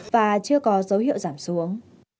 và chưa có dấu hiệu giảm xuống